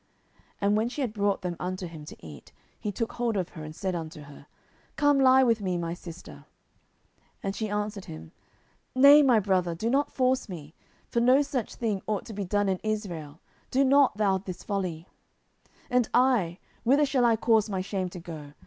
10:013:011 And when she had brought them unto him to eat, he took hold of her, and said unto her, Come lie with me, my sister. 10:013:012 And she answered him, Nay, my brother, do not force me; for no such thing ought to be done in Israel: do not thou this folly. 10:013:013 And I, whither shall I cause my shame to go?